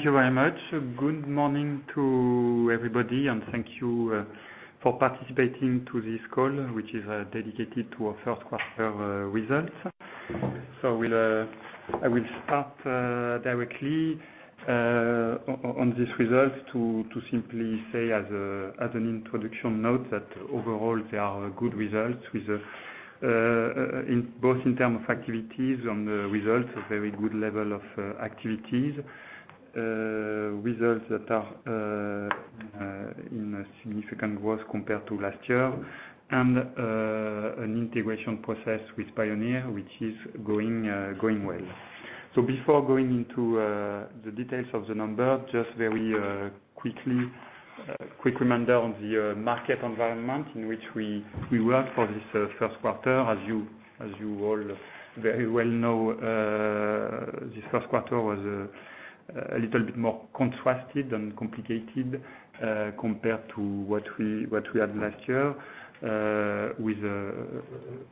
Thank you very much. Good morning to everybody, and thank you for participating to this call, which is dedicated to our first quarter results. I will start directly on these results to simply say, as an introduction note, that overall, they are good results, both in terms of activities and results, a very good level of activities. Results that are in a significant growth compared to last year, and an integration process with Pioneer, which is going well. Before going into the details of the numbers, just a very quick reminder on the market environment in which we work for this first quarter. As you all very well know, this first quarter was a little bit more contrasted and complicated compared to what we had last year, with a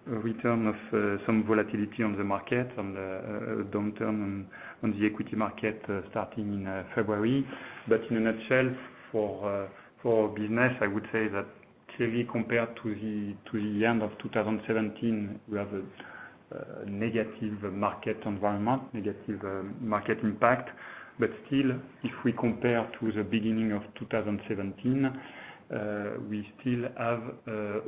return of some volatility on the market, on the downturn on the equity market starting in February. In a nutshell, for business, I would say that clearly, compared to the end of 2017, we have a negative market environment, negative market impact. Still, if we compare to the beginning of 2017, we still have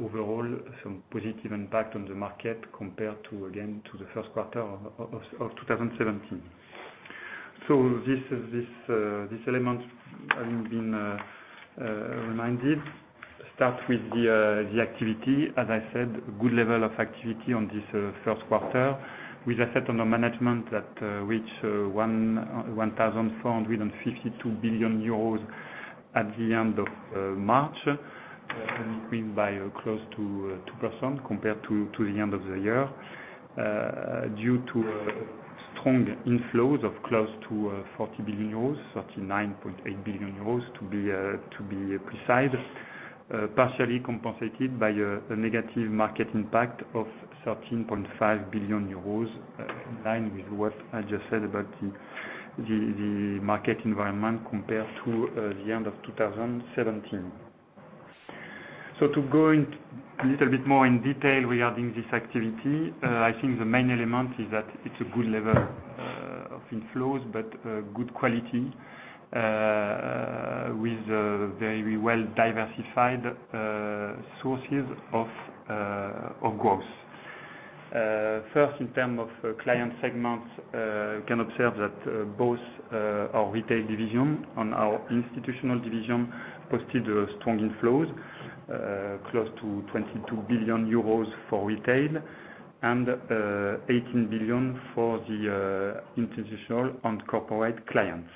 overall some positive impact on the market compared to, again, to the first quarter of 2017. This element having been reminded, start with the activity. As I said, good level of activity on this first quarter, with assets under management that reach 1,452 billion euros at the end of March, increasing by close to 2% compared to the end of the year, due to strong inflows of close to 40 billion euros, 39.8 billion euros to be precise. Partially compensated by a negative market impact of 13.5 billion euros, in line with what I just said about the market environment compared to the end of 2017. To go a little bit more in detail regarding this activity, I think the main element is that it's a good level of inflows, but good quality with very well-diversified sources of growth. First, in term of client segments, you can observe that both our retail division and our institutional division posted strong inflows, close to 22 billion euros for retail and 18 billion for the institutional and corporate clients.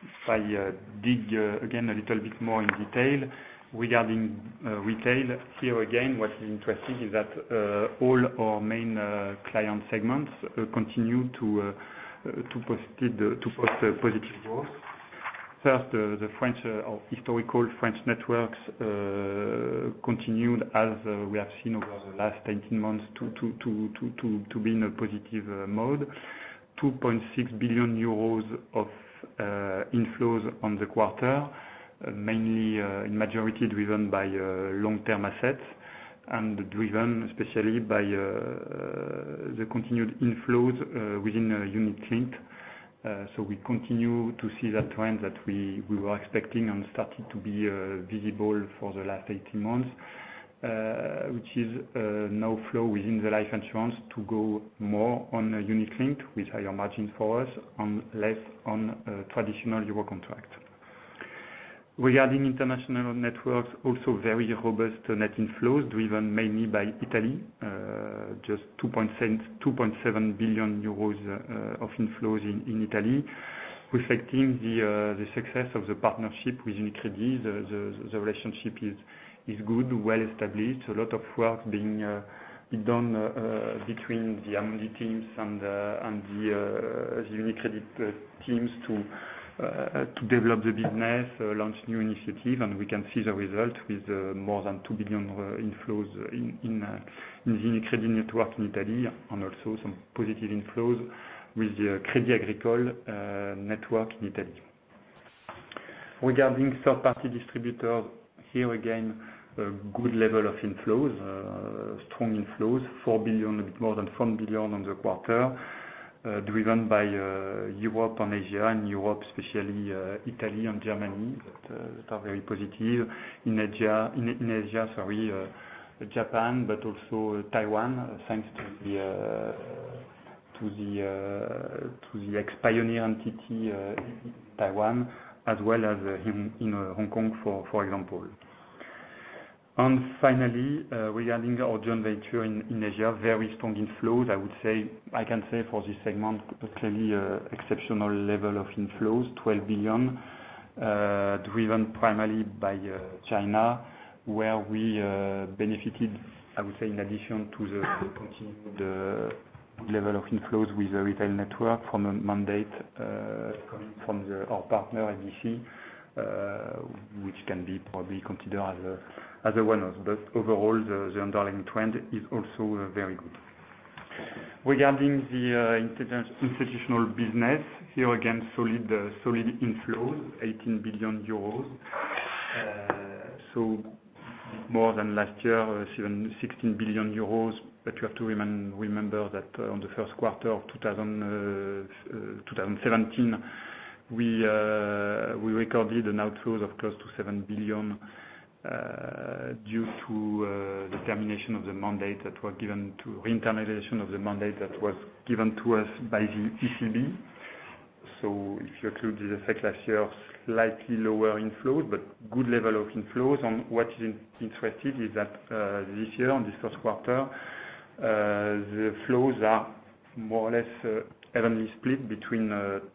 If I dig again a little bit more in detail regarding retail, here again, what is interesting is that all our main client segments continue to post positive growth. First, our historical French networks continued, as we have seen over the last 18 months, to be in a positive mode. 2.6 billion euros of inflows on the quarter, mainly in majority driven by long-term assets and driven especially by the continued inflows within Unit-Linked. We continue to see that trend that we were expecting and started to be visible for the last 18 months, which is no flow within the life insurance to go more on Unit-Linked with higher margin for us and less on traditional euro contract. Regarding international networks, also very robust net inflows driven mainly by Italy, just 2.7 billion euros of inflows in Italy, reflecting the success of the partnership with UniCredit. The relationship is good, well-established, a lot of work being done between the Amundi teams and the UniCredit teams to develop the business, launch new initiatives, and we can see the result with more than 2 billion inflows in the UniCredit network in Italy, and also some positive inflows with the Crédit Agricole network in Italy. Regarding third-party distributors, here again, a good level of inflows, strong inflows, a bit more than 4 billion on the quarter, driven by Europe and Asia, and Europe especially Italy and Germany, that are very positive. In Asia, Japan, but also Taiwan, thanks to the ex-Pioneer entity in Taiwan as well as in Hong Kong, for example. Finally, regarding our joint venture in Asia, very strong inflows. I can say for this segment, clearly exceptional level of inflows, 12 billion, driven primarily by China, where we benefited, I would say, in addition to the continued level of inflows with the retail network from a mandate coming from our partner, ABC, which can be probably considered as a one-off. Overall, the underlying trend is also very good. Regarding the institutional business, here again, solid inflows, 18 billion euros. More than last year, 16 billion euros. You have to remember that on the first quarter of 2017, we recorded an outflow of close to 7 billion, due to the termination of the mandate that was given to re-internalization of the mandate that was given to us by the ECB. If you include this effect last year, slightly lower inflows, but good level of inflows. What is interesting is that this year, on this first quarter, the flows are more or less evenly split between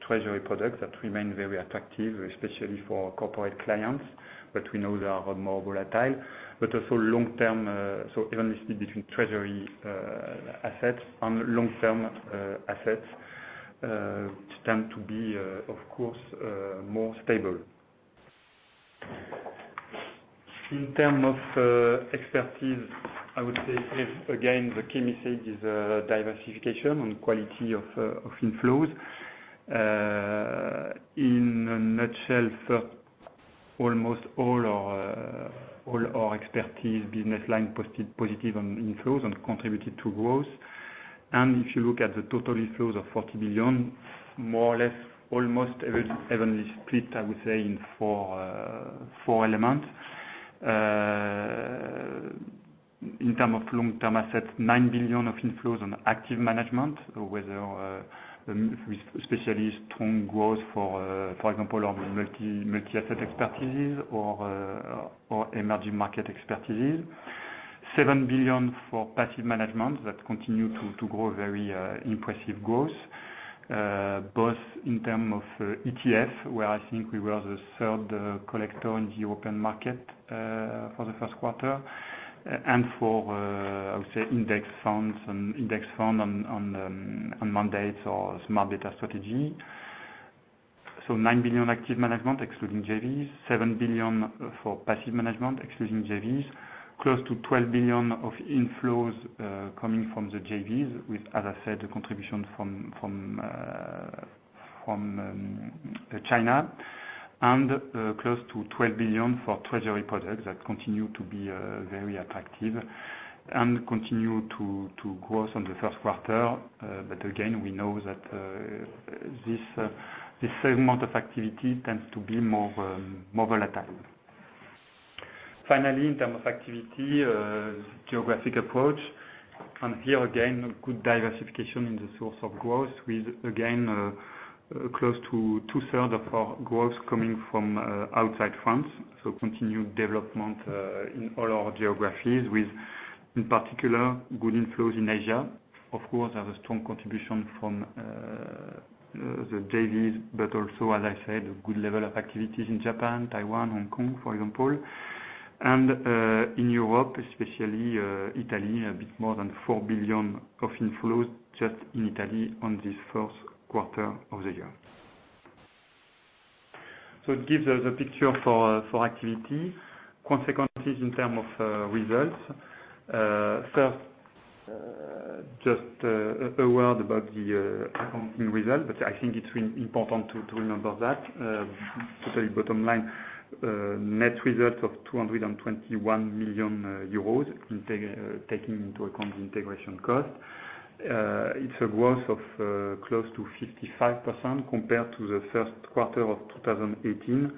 treasury products that remain very attractive, especially for our corporate clients. We know they are more volatile. Also long-term, so evenly split between treasury assets and long-term assets, which tend to be, of course, more stable. In terms of expertise, I would say again, the key message is diversification and quality of inflows. In a nutshell, almost all our expertise business line posted positive on inflows and contributed to growth. If you look at the total inflows of 40 billion, more or less almost evenly split, I would say, in four elements. In terms of long-term assets, 9 billion of inflows on active management, with especially strong growth for example, on multi-asset expertises or emerging market expertises. 7 billion for passive management that continue to grow very impressive growth, both in terms of ETF, where I think we were the third collector in the open market, for the first quarter. For, I would say, index funds and index fund on mandates or smart beta strategy. 9 billion active management excluding JVs, 7 billion for passive management excluding JVs, close to 12 billion of inflows coming from the JVs with, as I said, contribution from China, and close to 12 billion for treasury products that continue to be very attractive and continue to grow on the first quarter. Again, we know that this same amount of activity tends to be more volatile. Finally, in terms of activity, geographic approach. Here again, good diversification in the source of growth with, again, close to two-third of our growth coming from outside France. Continued development in all our geographies with, in particular, good inflows in Asia. Of course, there's a strong contribution from the JVs, but also, as I said, good level of activities in Japan, Taiwan, Hong Kong, for example. In Europe, especially Italy, a bit more than 4 billion of inflows just in Italy on this first quarter of the year. It gives us a picture for activity. Consequences in terms of results. Just a word about the accounting result, I think it's important to remember that. Total bottom line, net result of 221 million euros, taking into account the integration cost. It's a growth of close to 55% compared to the first quarter of 2018.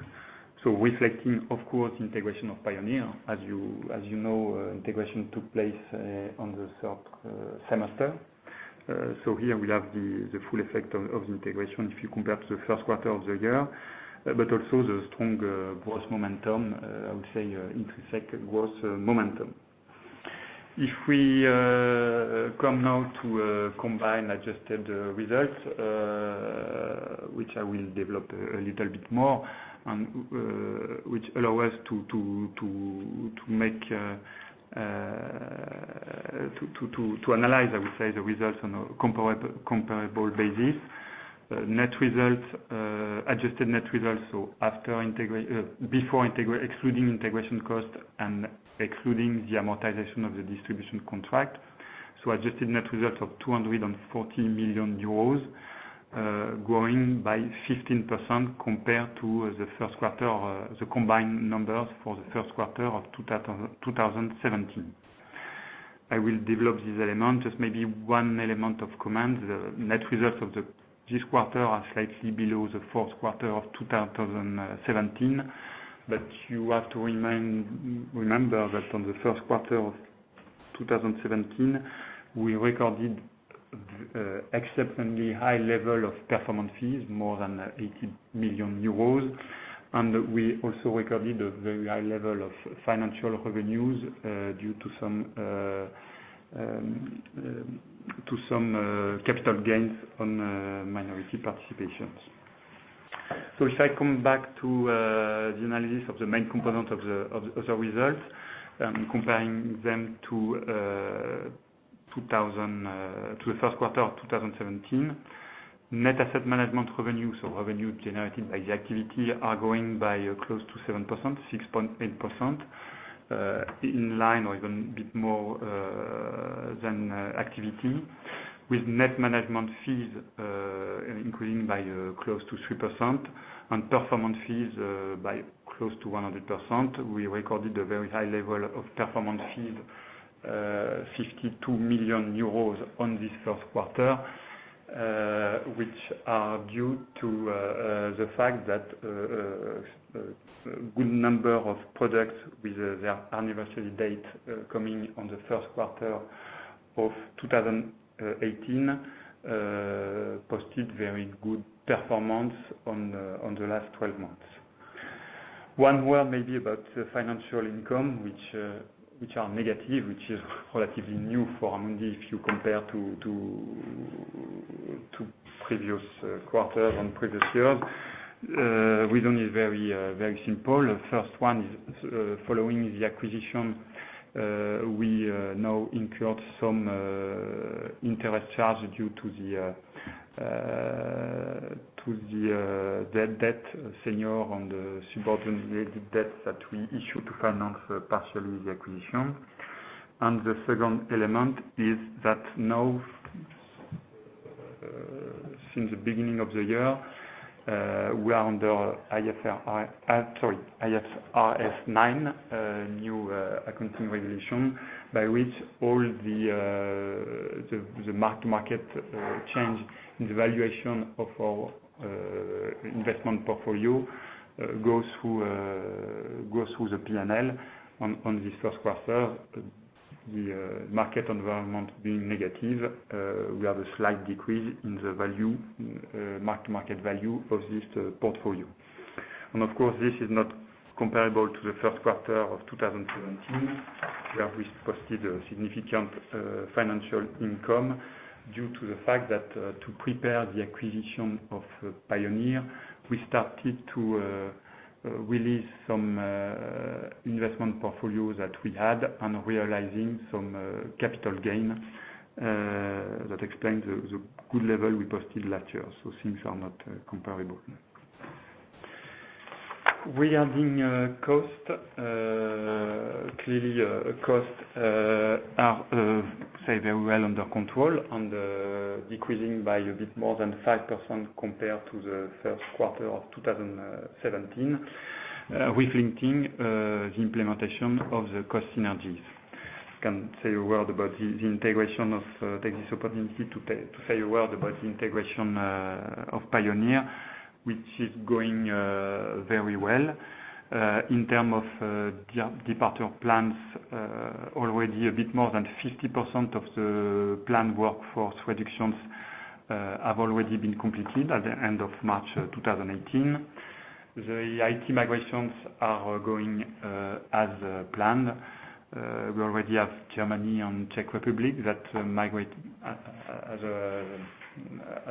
Reflecting, of course, integration of Pioneer. As you know, integration took place on the third semester. Here we have the full effect of the integration if you compare to the first quarter of the year, but also the strong intrinsic gross momentum, I would say. If we come now to combined adjusted results, which I will develop a little bit more, which allow us to analyze, I would say, the results on a comparable basis. Adjusted net results, before excluding integration cost and excluding the amortization of the distribution contract. Adjusted net result of 240 million euros, growing by 15% compared to the first quarter, the combined numbers for the first quarter of 2017. I will develop this element. Just maybe one element of comment. The net results of this quarter are slightly below the fourth quarter of 2017. You have to remember that on the first quarter of 2017, we recorded exceptionally high level of performance fees, more than 80 million euros. We also recorded a very high level of financial revenues, due to some capital gains on minority participations. If I come back to the analysis of the main component of the results, comparing them to the first quarter of 2017. Net asset management revenue generated by the activity, are growing by close to 7%, 6.8%, in line or even a bit more than activity, with net management fees increasing by close to 3% and performance fees by close to 100%. We recorded a very high level of performance fees, 52 million euros on this first quarter, which are due to the fact that a good number of products with their anniversary date coming on the first quarter of 2018 posted very good performance on the last 12 months. One word maybe about the financial income, which are negative, which is relatively new for Amundi if you compare to previous quarters and previous years. Reason is very simple. First one is following the acquisition, we now incurred some interest charge due to our debt, senior and subordinate related debts that we issued to finance partially the acquisition. The second element is that now since the beginning of the year, we are under IFRS 9, a new accounting regulation, by which all the mark to market change in the valuation of our investment portfolio goes through the P&L on this first quarter. The market environment being negative, we have a slight decrease in the mark to market value of this portfolio. Of course, this is not comparable to the first quarter of 2017. We have posted a significant financial income due to the fact that to prepare the acquisition of Pioneer, we started to release some investment portfolios that we had and realizing some capital gains. That explains the good level we posted last year. Things are not comparable. Regarding cost, clearly, costs are, say, very well under control and decreasing by a bit more than 5% compared to the first quarter of 2017, reflecting the implementation of the cost synergies. I can take this opportunity to say a word about the integration of Pioneer, which is going very well. In terms of departure plans, already a bit more than 50% of the planned workforce reductions have already been completed at the end of March 2018. The IT migrations are going as planned. We already have Germany and Czech Republic that migrate. As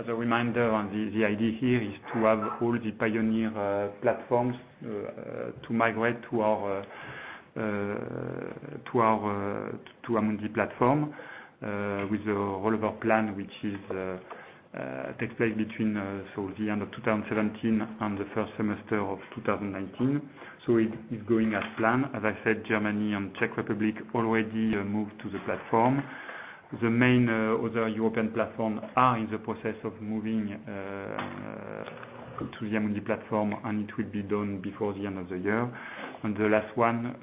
a reminder, the idea here is to have all the Pioneer platforms to migrate to Amundi platform, with a rollover plan, which takes place between the end of 2017 and the first semester of 2019. It is going as planned. As I said, Germany and Czech Republic already moved to the platform. The main other European platforms are in the process of moving to the Amundi platform, and it will be done before the end of the year. The last one,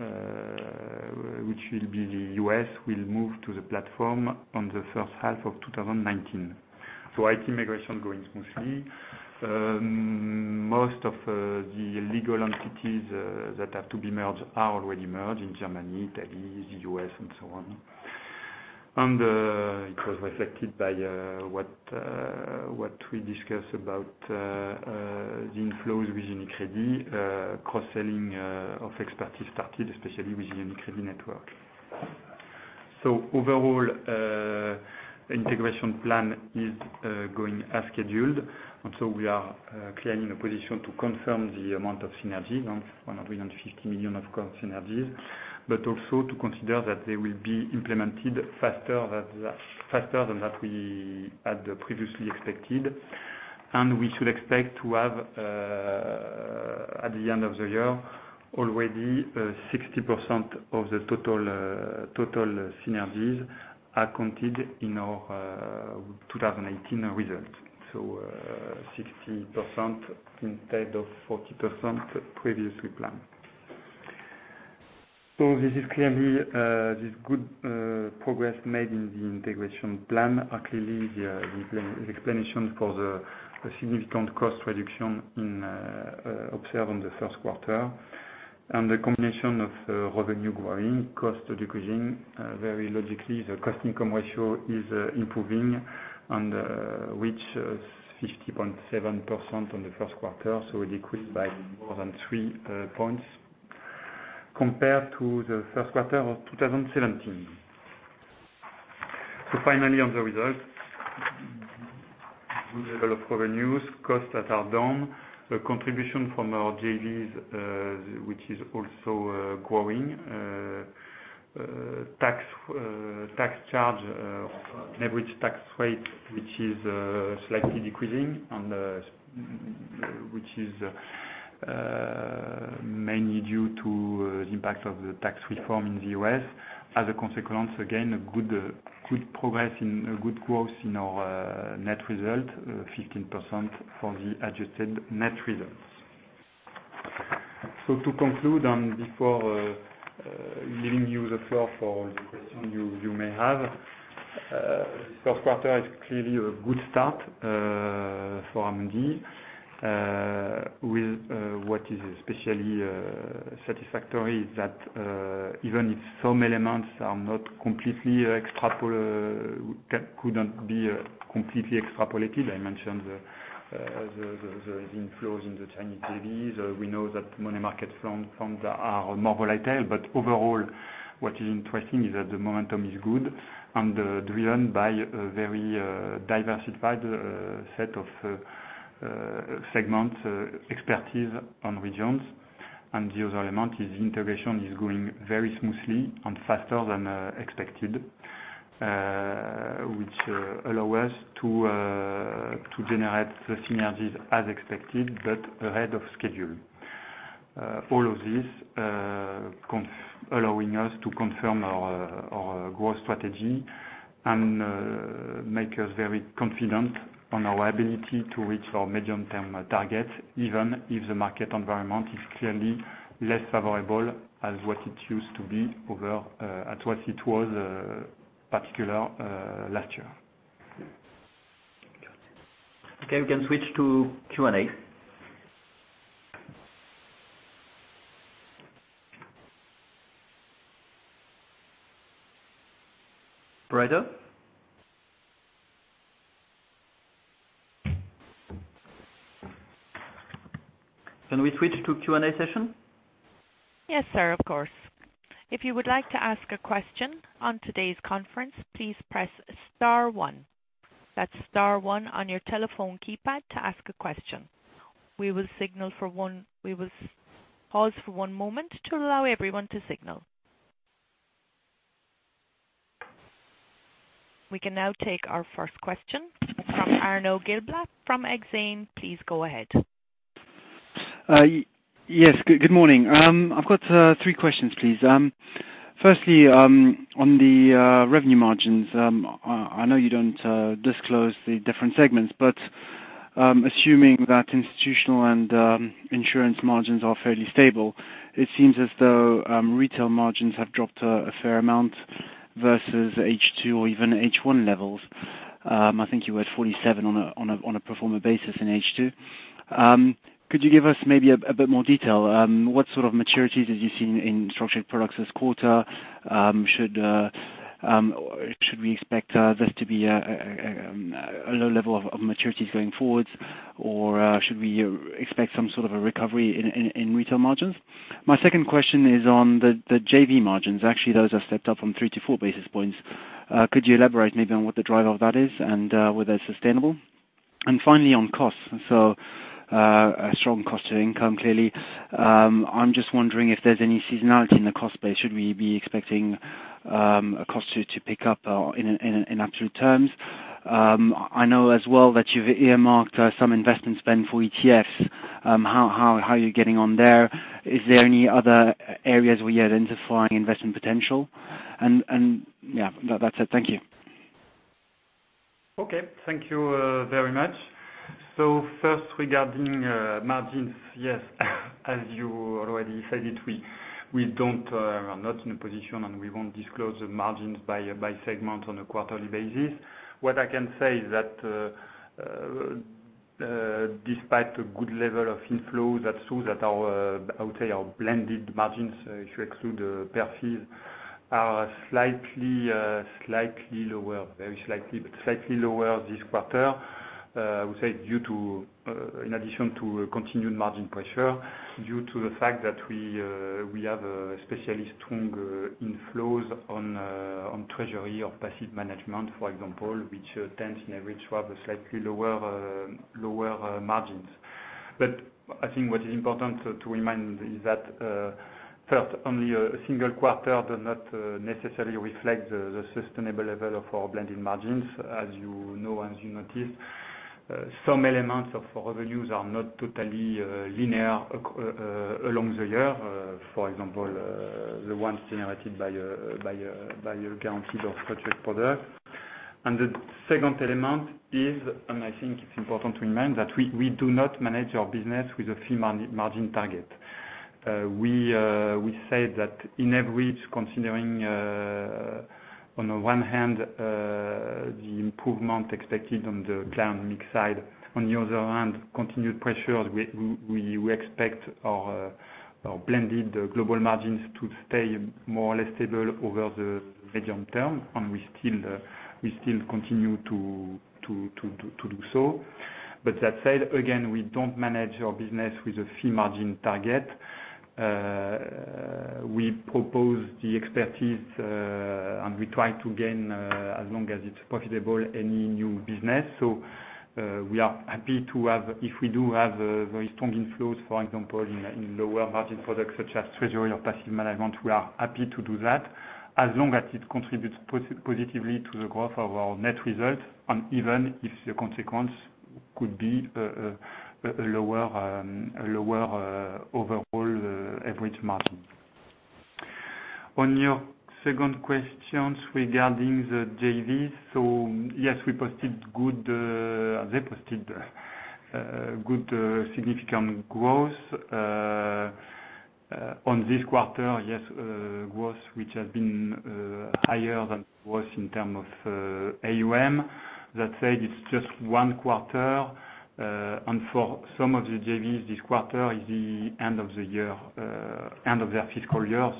which will be the U.S., will move to the platform on the first half of 2019. IT migration going smoothly. Most of the legal entities that have to be merged are already merged in Germany, Italy, the U.S., and so on. It was reflected by what we discussed about the inflows with UniCredit, cross-selling of expertise started, especially with the UniCredit network. Overall, integration plan is going as scheduled. We are clearly in a position to confirm the amount of synergies, 150 million of cost synergies, but also to consider that they will be implemented faster than that we had previously expected. We should expect to have, at the end of the year, already 60% of the total synergies accounted in our 2018 results. 60% instead of 40% previously planned. This is clearly this good progress made in the integration plan are clearly the explanation for the significant cost reduction observed on the first quarter. The combination of revenue growing, cost decreasing, very logically, the cost-income ratio is improving and reached 50.7% on the first quarter, so it decreased by more than 3 points compared to the first quarter of 2017. Finally, on the results, good level of revenues, costs that are down, the contribution from our JVs, which is also growing. Tax charge, average tax rate, which is slightly decreasing, and which is mainly due to the impact of the tax reform in the U.S. As a consequence, again, a good progress and a good growth in our net result, 15% for the adjusted net results. To conclude, and before giving you the floor for the questions you may have, first quarter is clearly a good start for Amundi. What is especially satisfactory is that even if some elements couldn't be completely extrapolated, I mentioned the inflows in the Chinese JVs. We know that money market funds are more volatile. Overall, what is interesting is that the momentum is good and driven by a very diversified set of segment expertise and regions. The other element is integration is going very smoothly and faster than expected, which allow us to generate the synergies as expected, but ahead of schedule. All of this allowing us to confirm our growth strategy and make us very confident on our ability to reach our medium-term targets, even if the market environment is clearly less favorable as what it was, particular last year. Okay. We can switch to Q&A. Operator? Can we switch to Q&A session? Yes, sir. Of course. If you would like to ask a question on today's conference, please press star one. That's star one on your telephone keypad to ask a question. We will pause for one moment to allow everyone to signal. We can now take our first question from Arnaud Giblat from Exane. Please go ahead. Yes, good morning. I've got three questions, please. Firstly, on the revenue margins, I know you don't disclose the different segments, but assuming that institutional and insurance margins are fairly stable, it seems as though retail margins have dropped a fair amount versus H2 or even H1 levels. I think you were at 47 on a pro forma basis in H2. Could you give us maybe a bit more detail? What sort of maturities have you seen in structured products this quarter? Should we expect this to be a low level of maturities going forwards, or should we expect some sort of a recovery in retail margins? My second question is on the JV margins. Actually, those are stepped up from 3 to 4 basis points. Could you elaborate maybe on what the driver of that is and whether it's sustainable? Finally, on costs. A strong cost to income, clearly. I'm just wondering if there's any seasonality in the cost base. Should we be expecting a cost to pick up in absolute terms? I know as well that you've earmarked some investment spend for ETFs. How are you getting on there? Is there any other areas where you're identifying investment potential? Yeah. That's it. Thank you. Thank you very much. First, regarding margins, yes, as you already said it, we are not in a position, and we won't disclose the margins by segment on a quarterly basis. What I can say is that, despite a good level of inflows, that shows that our, I would say, our blended margins, if you exclude the performance fees, are slightly lower, very slightly, but slightly lower this quarter. I would say in addition to continued margin pressure, due to the fact that we have especially strong inflows on treasury or passive management, for example, which tends on average to have slightly lower margins. I think what is important to remind is that, first, only a single quarter does not necessarily reflect the sustainable level of our blended margins. As you know, as you noticed, some elements of our revenues are not totally linear along the year. For example, the ones generated by a guaranteed or structured product. The second element is, and I think it's important to remind, that we do not manage our business with a fee margin target. We said that on average, considering, on the one hand, the improvement expected on the client mix side, on the other hand, continued pressures, we expect our blended global margins to stay more or less stable over the medium term, and we still continue to do so. That said, again, we don't manage our business with a fee margin target. We propose the expertise. We try to gain, as long as it's profitable, any new business. We are happy if we do have very strong inflows, for example, in lower margin products such as treasury or passive management. We are happy to do that, as long as it contributes positively to the growth of our net result, and even if the consequence could be a lower overall average margin. Your second question regarding the JV, yes, they posted good significant growth. This quarter, yes, growth which has been higher than it was in terms of AUM. That said, it's just one quarter, and for some of the JVs, this quarter is the end of their fiscal year.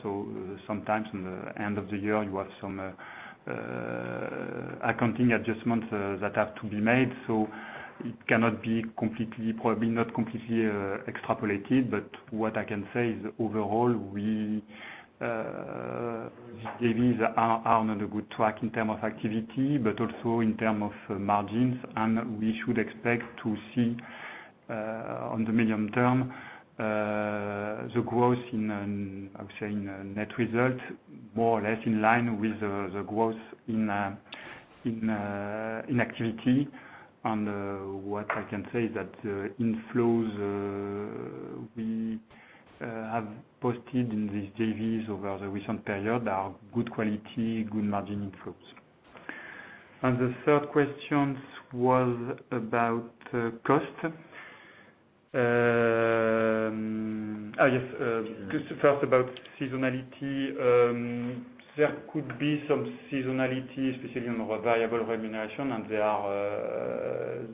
Sometimes in the end of the year you have some accounting adjustments that have to be made. It cannot be completely extrapolated. What I can say is overall, JVs are on a good track in terms of activity, but also in terms of margins. We should expect to see, on the medium term, the growth in net result more or less in line with the growth in activity. What I can say is that inflows we have posted in these JVs over the recent period are good quality, good margin inflows. The third question was about cost. First about seasonality. There could be some seasonality, especially on variable remuneration, and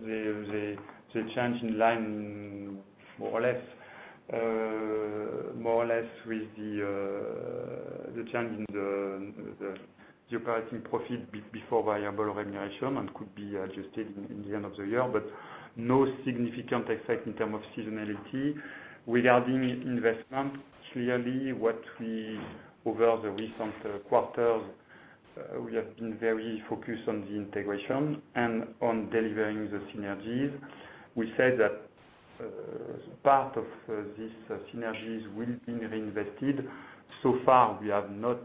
they change in line more or less with the change in the operating profit before variable remuneration and could be adjusted in the end of the year. No significant effect in terms of seasonality. Regarding investment, clearly over the recent quarters, we have been very focused on the integration and on delivering the synergies. We said that part of these synergies will be reinvested. So far we have not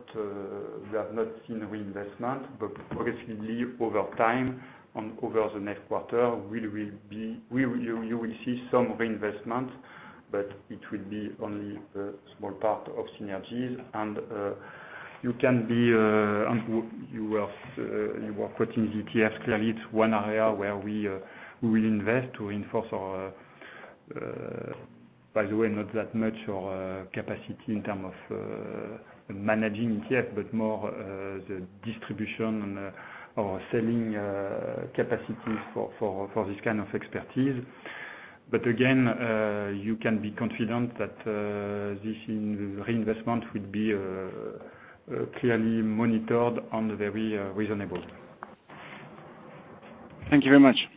seen reinvestment, but progressively over time and over the next quarter, you will see some reinvestment, but it will be only a small part of synergies. You were putting ETF, clearly it's one area where we will invest to reinforce our, by the way, not that much our capacity in terms of managing ETF, but more the distribution or selling capacities for this kind of expertise. Again, you can be confident that this reinvestment will be clearly monitored and very reasonable. Thank you very much.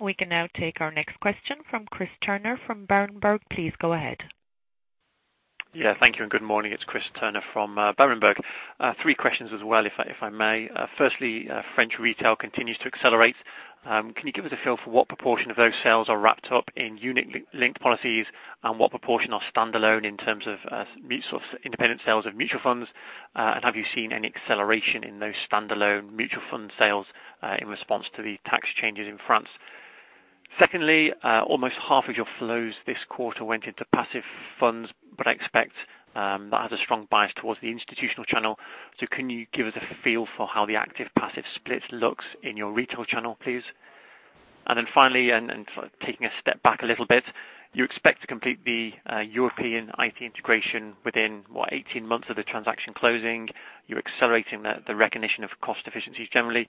We can now take our next question from Chris Turner from Berenberg. Please go ahead. Yeah, thank you and good morning. It's Chris Turner from Berenberg. Three questions as well, if I may. Firstly, French retail continues to accelerate. Can you give us a feel for what proportion of those sales are wrapped up in Unit-Linked policies and what proportion are standalone in terms of independent sales of mutual funds? Have you seen any acceleration in those standalone mutual fund sales in response to the tax changes in France? Secondly, almost half of your flows this quarter went into passive funds, but I expect that has a strong bias towards the institutional channel. Can you give us a feel for how the active/passive split looks in your retail channel, please? Finally, taking a step back a little bit, you expect to complete the European IT integration within, what, 18 months of the transaction closing? You're accelerating the recognition of cost efficiencies generally.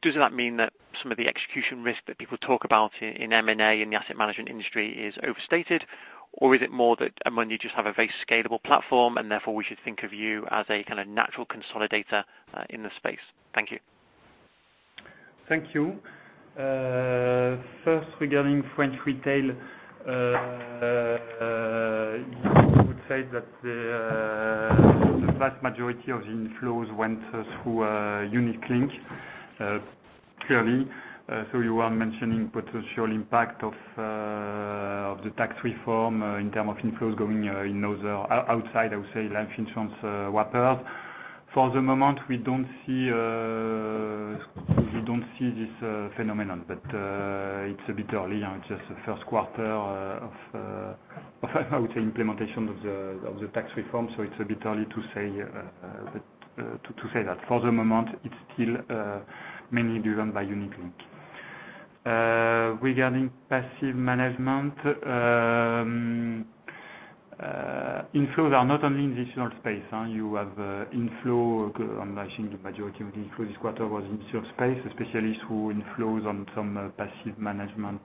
Does that mean that some of the execution risk that people talk about in M&A in the asset management industry is overstated? Or is it more that Amundi just have a very scalable platform and therefore we should think of you as a kind of natural consolidator in the space? Thank you. Thank you. First, regarding French retail, I would say that the vast majority of inflows went through Unit-Linked, clearly. You are mentioning potential impact of the tax reform in terms of inflows going outside, I would say, life insurance wrappers. For the moment, we don't see this phenomenon, but it's a bit early. It's just the first quarter of, I would say, implementation of the tax reform. It's a bit early to say that. For the moment, it's still mainly driven by Unit-Linked. Regarding passive management, inflows are not only in the institutional space. I think the majority of the inflows this quarter was in institutional space, especially through inflows on some passive management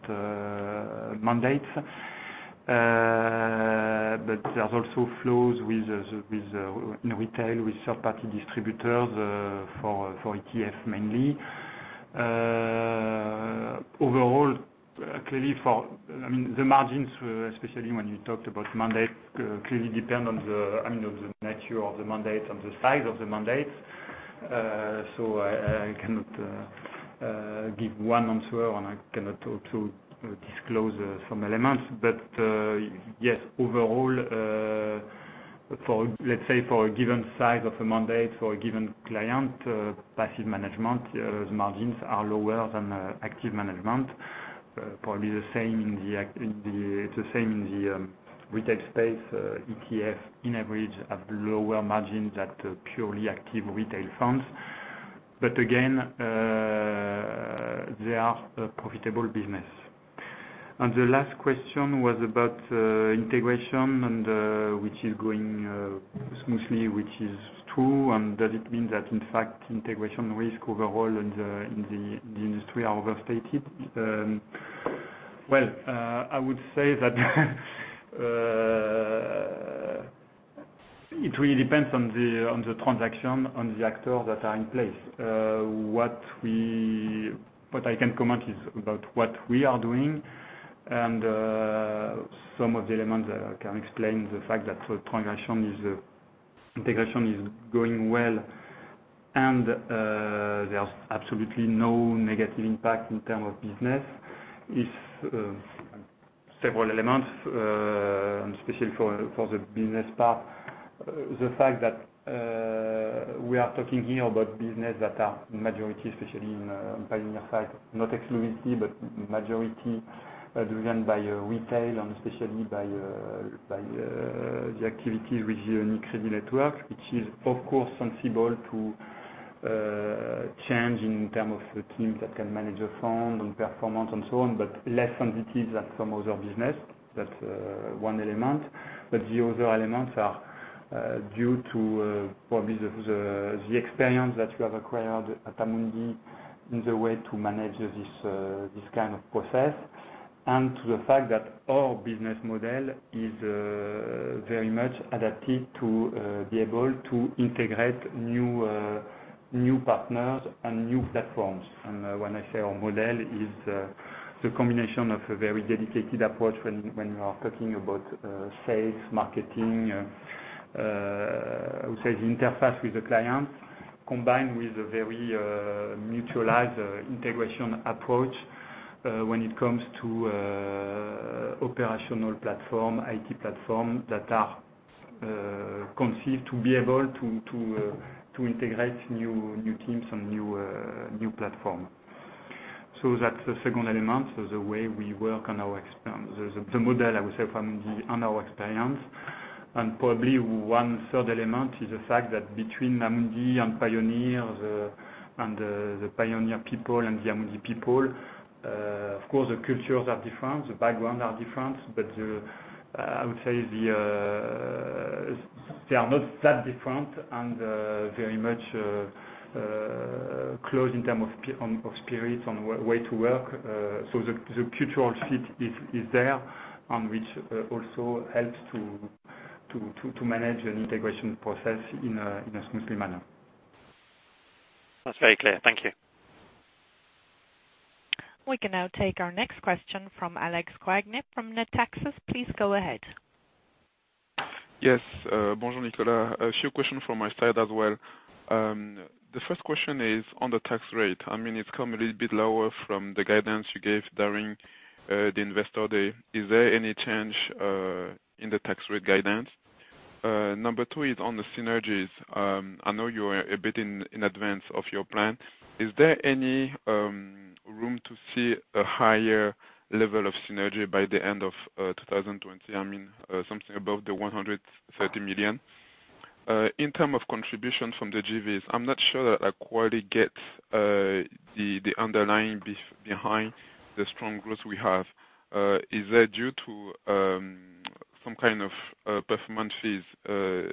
mandates. There's also flows in retail with third-party distributors for ETF mainly. Overall, the margins, especially when you talked about mandate, clearly depend on the nature of the mandate and the size of the mandate. I cannot give one answer and I cannot disclose some elements. Yes, overall, let's say for a given size of a mandate for a given client, passive management, those margins are lower than active management. Probably it's the same in the retail space, ETF in average have lower margins than purely active retail funds. Again, they are a profitable business. The last question was about integration and which is going smoothly, which is true, and does it mean that integration risk overall in the industry are overstated? Well, I would say that it really depends on the transaction, on the actors that are in place. What I can comment is about what we are doing, some of the elements can explain the fact that integration is going well, there's absolutely no negative impact in term of business is several elements, and especially for the business part. The fact that we are talking here about business that are majority, especially in Pioneer side, not exclusivity, but majority driven by retail and especially by the activities with the UniCredit network, which is, of course, sensible to change in term of teams that can manage a fund and performance and so on, less sensitive than some other business. That's one element. The other elements are due to probably the experience that we have acquired at Amundi in the way to manage this kind of process, to the fact that our business model is very much adapted to be able to integrate new partners and new platforms. When I say our model is the combination of a very dedicated approach when we are talking about sales, marketing, I would say the interface with the client, combined with a very mutualized integration approach when it comes to operational platform, IT platform, that are conceived to be able to integrate new teams and new platform. That's the second element, the way we work on our experience. The model, I would say, on our experience. Probably one third element is the fact that between Amundi and Pioneer, the Pioneer people and the Amundi people, of course, the cultures are different, the background are different, but I would say they are not that different and very much close in term of spirit and way to work. The cultural fit is there, which also helps to manage an integration process in a smoothly manner. That's very clear. Thank you. We can now take our next question from Alex Koenig from Natixis. Please go ahead. Yes. Bonjour, Nicolas. A few question from my side as well. The first question is on the tax rate. It's come a little bit lower from the guidance you gave during the investor day. Is there any change in the tax rate guidance? Number two is on the synergies. I know you are a bit in advance of your plan. Is there any room to see a higher level of synergy by the end of 2020? Something above the 130 million. In term of contribution from the JVs, I am not sure that I quite get the underlying behind the strong growth we have. Is that due to some kind of performance fees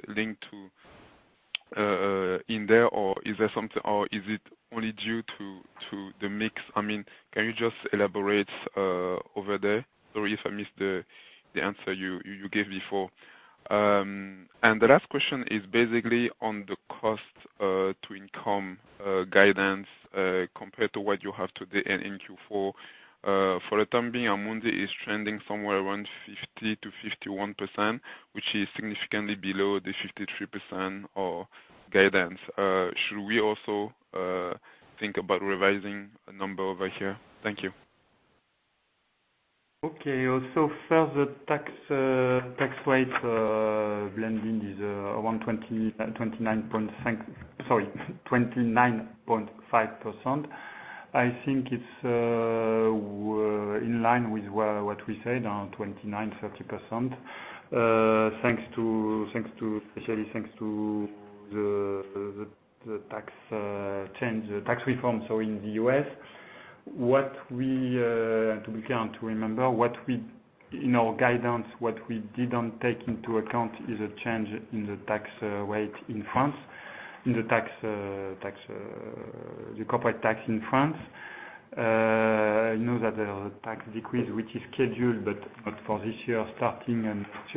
linked to in there, or is it only due to the mix? Can you just elaborate over there? Sorry if I missed the answer you gave before. The last question is basically on the cost-income guidance compared to what you have today and in Q4. For the time being, Amundi is trending somewhere around 50%-51%, which is significantly below the 53% of guidance. Should we also think about revising a number over here? Thank you. Okay. Far the tax rate blending is around 29.5%. I think it's in line with what we said on 29, 30%, especially thanks to the tax reform. In the U.S., to be clear and to remember, in our guidance, what we didn't take into account is a change in the tax rate in France, in the corporate tax in France. I know that there is a tax decrease, which is scheduled, but not for this year, starting next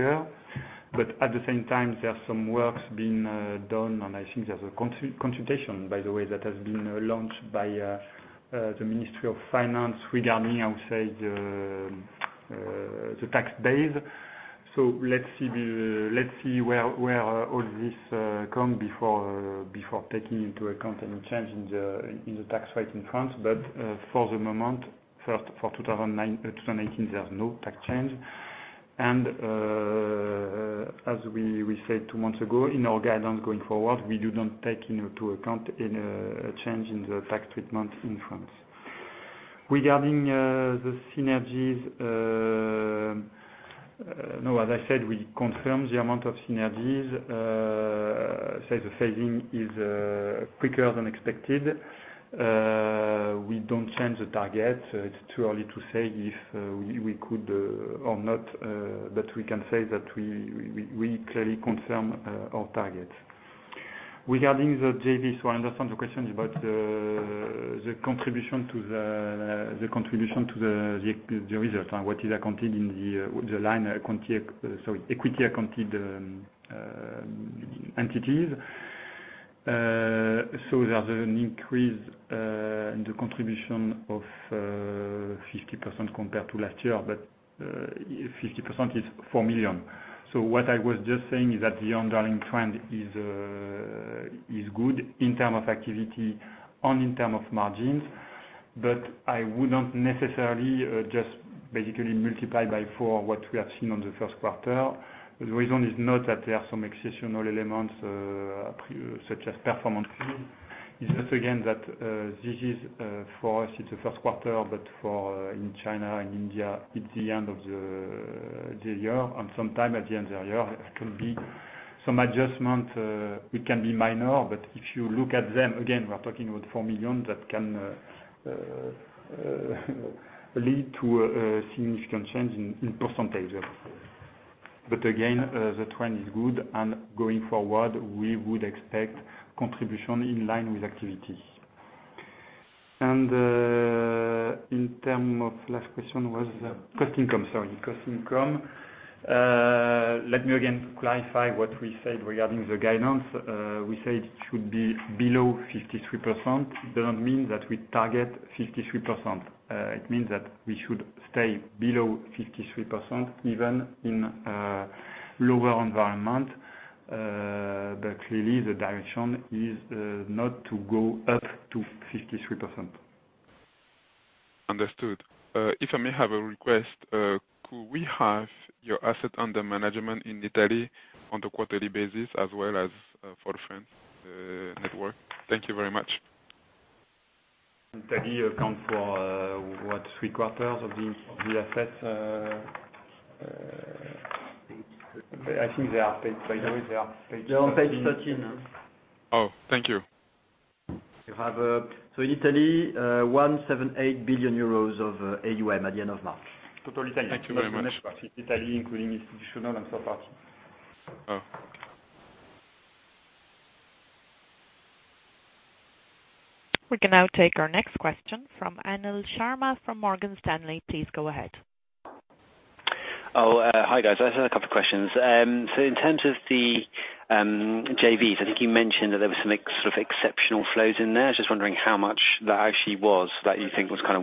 year. At the same time, there are some works being done, and I think there's a consultation, by the way, that has been launched by the Ministry of Finance regarding, I would say, the tax base. Let's see where all this come before taking into account any change in the tax rate in France. For the moment, for 2019, there's no tax change. As we said two months ago, in our guidance going forward, we do not take into account any change in the tax treatment in France. Regarding the synergies, as I said, we confirm the amount of synergies. Say, the phasing is quicker than expected. We don't change the target. It's too early to say if we could or not, but we can say that we clearly confirm our target. Regarding the JV, I understand the question about the contribution to the results and what is accounted in the line equity. Sorry, equity-accounted entities. There's an increase in the contribution of 50% compared to last year, but 50% is four million. What I was just saying is that the underlying trend is good in terms of activity and in terms of margins, but I wouldn't necessarily just basically multiply by 4 what we have seen on the first quarter. The reason is not that there are some exceptional elements, such as performance fee. It's just, again, that this is, for us, it's the first quarter, but in China and India, it's the end of the year. Sometimes at the end of the year, it can be some adjustment. It can be minor, but if you look at them, again, we're talking about 4 million, that can lead to a significant change in percentages. Again, the trend is good, and going forward, we would expect contribution in line with activity. In terms of last question was cost income, sorry, cost income. Let me again clarify what we said regarding the guidance. We said it should be below 53%. It doesn't mean that we target 53%. It means that we should stay below 53%, even in a lower environment. Clearly, the direction is not to go up to 53%. Understood. If I may have a request, could we have your assets under management in Italy on the quarterly basis as well as for France network? Thank you very much. Italy accounts for what, three quarters of the assets? I think they are. By the way, they're on page 13. Oh, thank you. You have in Italy, 178 billion euros of AUM at the end of March. Total Italy. Thank you very much. Italy, including institutional and third party. Oh. We can now take our next question from Anil Sharma, from Morgan Stanley. Please go ahead. Hi, guys. I just have a couple questions. In terms of the JVs, I think you mentioned that there was some sort of exceptional flows in there. Just wondering how much that actually was, that you think was kind of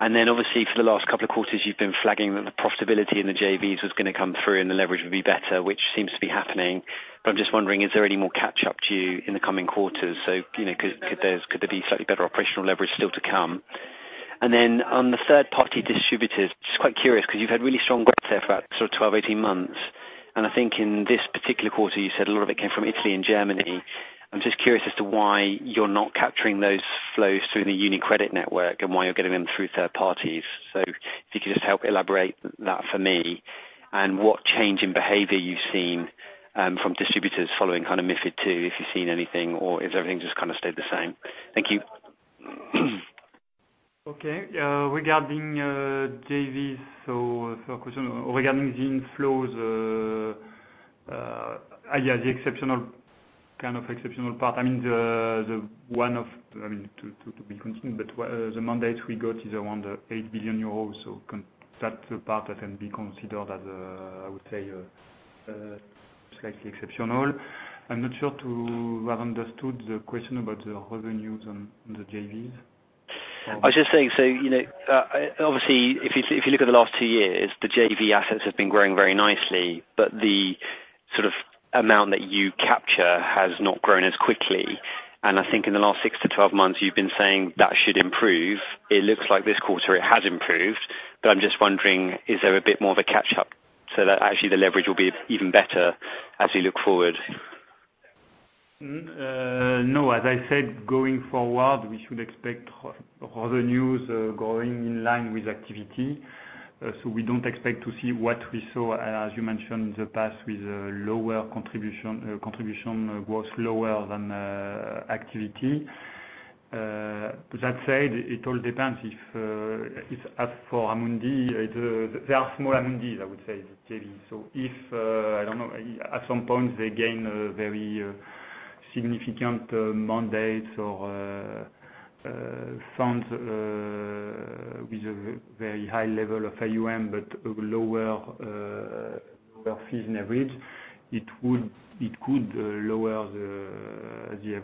one-off. Obviously, for the last couple of quarters, you've been flagging that the profitability in the JVs was going to come through and the leverage would be better, which seems to be happening. I'm just wondering, is there any more catch-up to you in the coming quarters? Could there be slightly better operational leverage still to come? On the third-party distributors, just quite curious, because you've had really strong growth there for about 12-18 months, and I think in this particular quarter, you said a lot of it came from Italy and Germany. I'm just curious as to why you're not capturing those flows through the UniCredit network and why you're getting them through third parties. If you could just help elaborate that for me and what change in behavior you've seen from distributors following kind of MiFID II, if you've seen anything, or if everything just kind of stayed the same. Thank you. Okay. Regarding JVs, for question regarding the inflows, yeah, the exceptional part, the mandate we got is around 8 billion euros, that's the part that can be considered as, I would say, slightly exceptional. I'm not sure to have understood the question about the revenues on the JVs. I was just saying, obviously, if you look at the last two years, the JV assets have been growing very nicely, but the sort of amount that you capture has not grown as quickly. I think in the last six to 12 months, you've been saying that should improve. It looks like this quarter it has improved, but I'm just wondering, is there a bit more of a catch-up so that actually the leverage will be even better as we look forward? No. As I said, going forward, we should expect revenues growing in line with activity. We don't expect to see what we saw, as you mentioned, in the past, with lower contribution was lower than activity. That said, it all depends. If as for Amundi, they are small Amundis, I would say, the JV. If, I don't know, at some point they gain a very significant mandate or funds with a very high level of AUM, but Our fees on average, it could lower the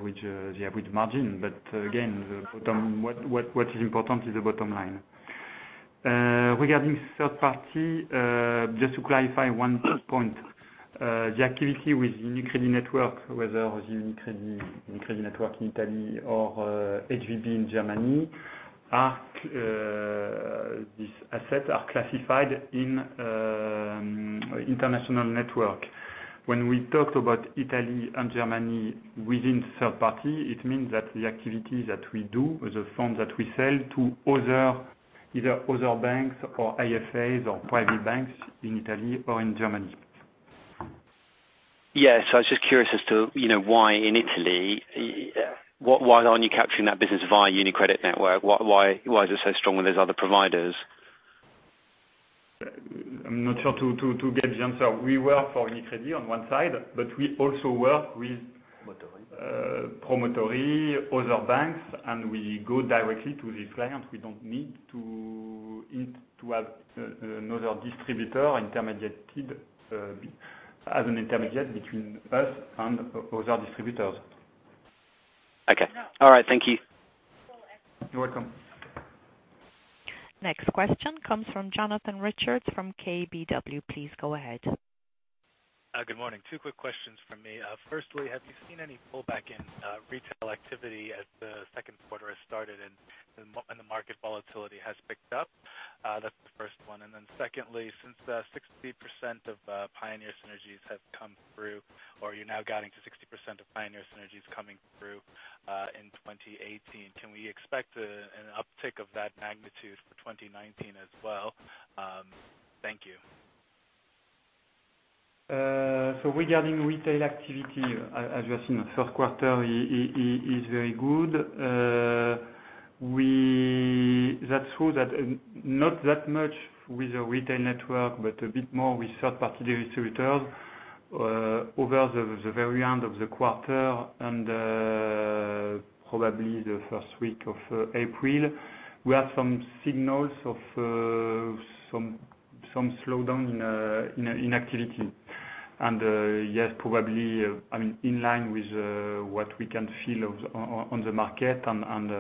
average margin. Again, what is important is the bottom line. Regarding third party, just to clarify one point. The activity with UniCredit Network, whether the UniCredit Network in Italy or HVB in Germany, these assets are classified in International Network. When we talked about Italy and Germany within third party, it means that the activities that we do, or the funds that we sell to either other banks or IFAs or private banks in Italy or in Germany. Yes. I was just curious as to, why in Italy, why aren't you capturing that business via UniCredit Network? Why is it so strong with those other providers? I'm not sure to give the answer. We work for UniCredit on one side, we also work with Promotori, other banks, and we go directly to the client. We don't need to have another distributor intermediated, as an intermediate between us and other distributors. Okay. All right. Thank you. You're welcome. Next question comes from Jonathan Richards, from KBW. Please go ahead. Good morning. Two quick questions from me. Firstly, have you seen any pullback in retail activity as the second quarter has started and the market volatility has picked up? That's the first one. Secondly, since 60% of Pioneer synergies have come through, or you're now guiding to 60% of Pioneer synergies coming through, in 2018, can we expect an uptick of that magnitude for 2019 as well? Thank you. Regarding retail activity, as you have seen, the first quarter is very good. That's true that not that much with the retail network, but a bit more with third-party distributors, over the very end of the quarter, and probably the first week of April. We have some signals of some slowdown in activity. Yes, probably, in line with what we can feel on the market and,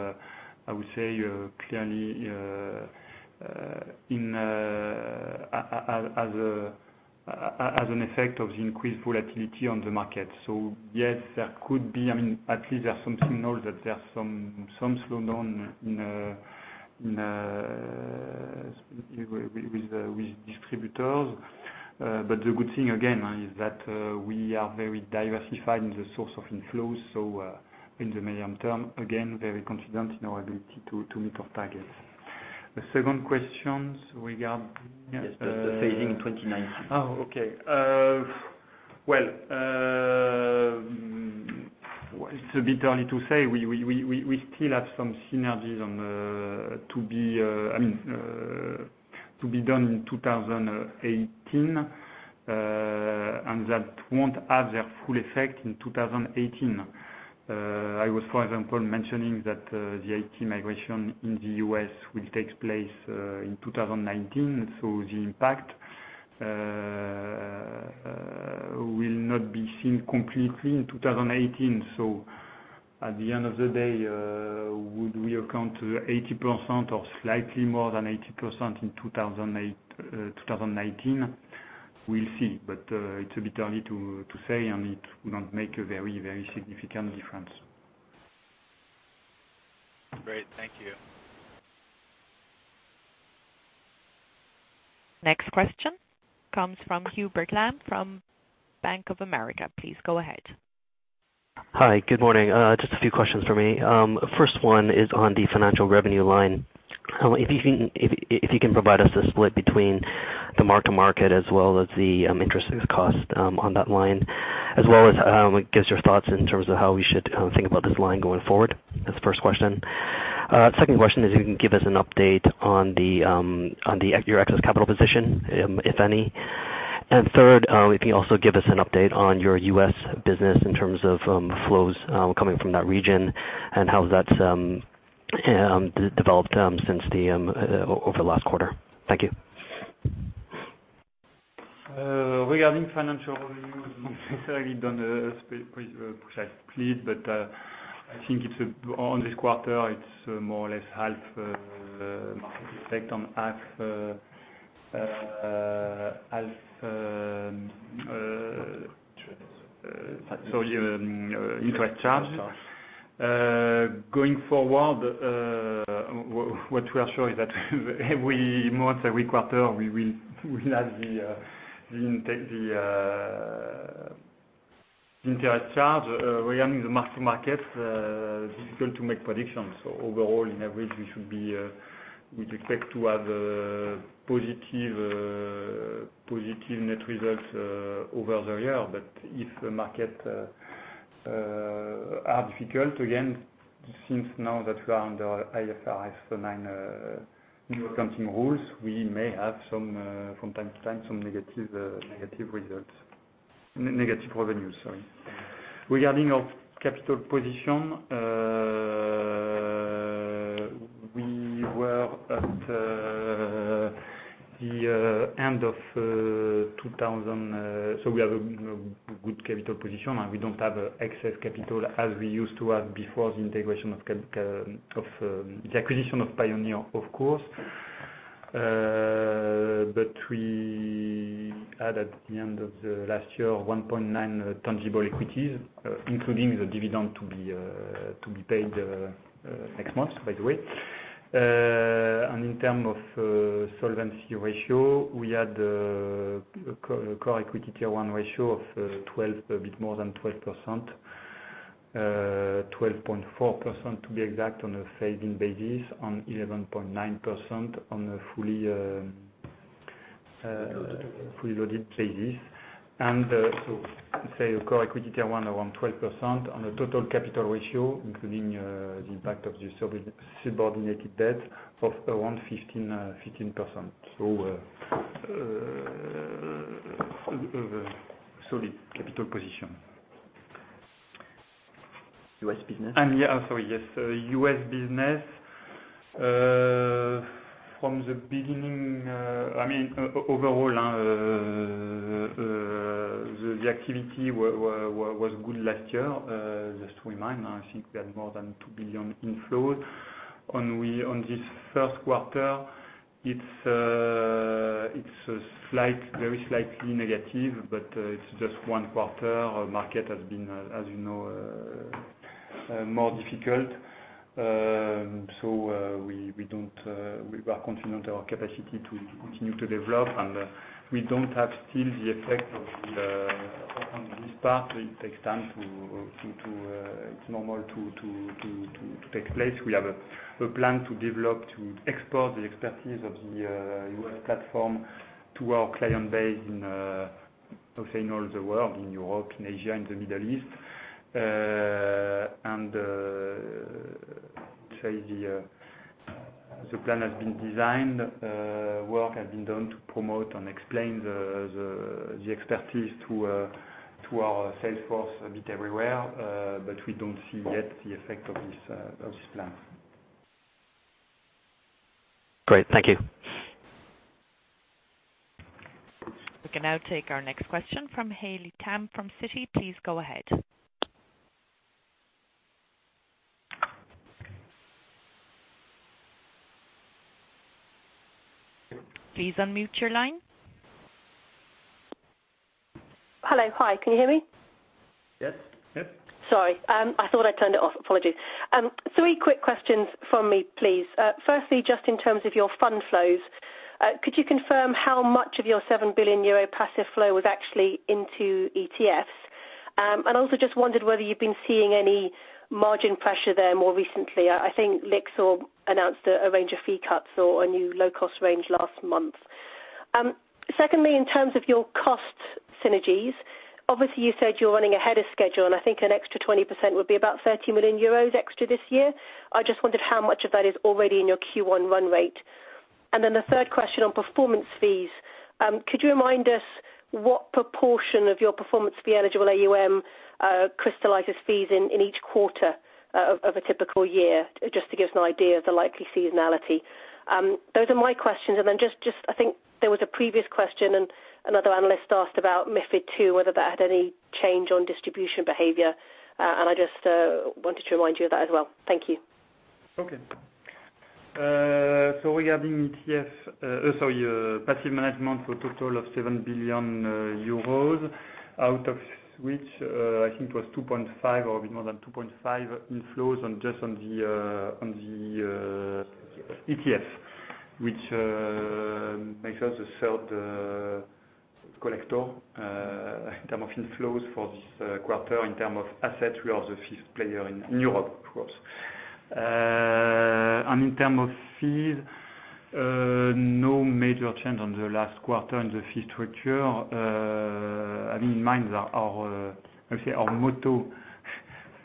I would say, clearly as an effect of the increased volatility on the market. Yes, at least there are some signals that there are some slowdown with distributors. The good thing, again, is that we are very diversified in the source of inflows. In the medium term, again, very confident in our ability to meet our targets. The second question regarding the phasing in 2019. Oh, okay. Well, it's a bit early to say. We still have some synergies to be done in 2018, and that won't have their full effect in 2018. I was, for example, mentioning that the IT migration in the U.S. will take place in 2019, the impact will not be seen completely in 2018. At the end of the day, would we account to 80% or slightly more than 80% in 2019? We'll see. It's a bit early to say, and it would not make a very significant difference. Great. Thank you. Next question comes from Hubert Lam, from Bank of America. Please go ahead. Hi. Good morning. Just a few questions from me. First one is on the financial revenue line. If you can provide us a split between the mark to market as well as the interest cost on that line, as well as give us your thoughts in terms of how we should think about this line going forward. That's the first question. Second question is if you can give us an update on your excess capital position, if any. Third, if you can also give us an update on your U.S. business in terms of flows coming from that region and how that's developed over the last quarter. Thank you. Regarding financial reviews, we've done a split, but I think on this quarter, it's more or less half market effect and half interest, sorry, interest charges. Going forward, what we are sure is that every month, every quarter, we will have the interest charge. Regarding the mark to market, it's difficult to make predictions. Overall, in average, we expect to have a positive net result over the year. If the market are difficult, again, since now that we are under IFRS 9 new accounting rules, we may have from time to time some negative results. Negative revenue, sorry. Regarding our capital position. We were at the end of 2000, so we have a good capital position. We don't have excess capital as we used to have before the acquisition of Pioneer Investments, of course. We had, at the end of last year, 1.9 tangible equities, including the dividend to be paid next month, by the way. In terms of solvency ratio, we had a Core Equity Tier 1 ratio of a bit more than 12%, 12.4% to be exact, on a phasing basis, and 11.9% on a fully. Loaded fully loaded basis. Say Core Equity Tier 1 around 12% on a total capital ratio, including the impact of the subordinated debt of around 15%. Solid capital position. U.S. business? Yeah. Sorry. Yes. U.S. business. From the beginning, overall, the activity was good last year. Just remind, I think we had more than 2 billion in flows. On this first quarter, it's very slightly negative, but it's just one quarter. Market has been, as you know, more difficult. We are confident in our capacity to continue to develop, and we don't have still the effect on this part. It's normal to take place. We have a plan to develop, to export the expertise of the U.S. platform to our client base in all the world, in Europe, in Asia, in the Middle East. Say the plan has been designed, work has been done to promote and explain the expertise to our sales force a bit everywhere. We don't see yet the effect of this plan. Great. Thank you. We can now take our next question from Haley Tam from Citi. Please go ahead. Please unmute your line. Hello. Hi, can you hear me? Yes. Yep. Sorry. I thought I turned it off. Apologies. Three quick questions from me, please. Firstly, just in terms of your fund flows, could you confirm how much of your 7 billion euro passive flow was actually into ETFs? Also just wondered whether you've been seeing any margin pressure there more recently. I think Lyxor announced a range of fee cuts or a new low-cost range last month. Secondly, in terms of your cost synergies, obviously, you said you're running ahead of schedule, and I think an extra 20% would be about 30 million euros extra this year. I just wondered how much of that is already in your Q1 run rate. The third question on performance fees, could you remind us what proportion of your performance fee eligible AUM crystallizes fees in each quarter of a typical year? Just to give us an idea of the likely seasonality. Those are my questions. Just, I think there was a previous question, another analyst asked about MiFID II, whether that had any change on distribution behavior. I just wanted to remind you of that as well. Thank you. Okay. Regarding ETF, sorry, passive management for a total of 7 billion euros, out of which I think it was 2.5 or a bit more than 2.5 inflows on just on the ETFs, which makes us the third collector in terms of inflows for this quarter. In terms of assets, we are the fifth player in Europe, of course. In terms of fees, no major change on the last quarter on the fee structure. Having in mind, our motto